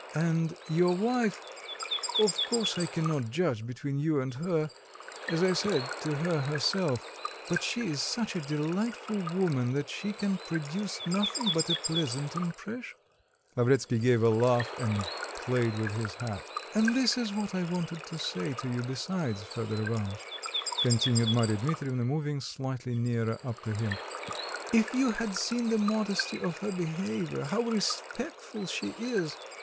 And your wife... of course I cannot judge between you and her as I said to her herself; but she is such a delightful woman that she can produce nothing but a pleasant impression." Lavretsky gave a laugh and played with his hat. "And this is what I wanted to say to you besides, Fedor Ivanitch," continued Marya Dmitrievna, moving slightly nearer up to him, "if you had seen the modesty of her behaviour, how respectful she is!